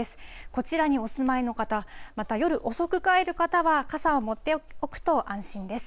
こちらにお住まいの方、また夜遅く帰る方は、傘を持っておくと安心です。